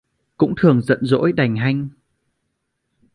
Cũng thường giận dỗi đành hanh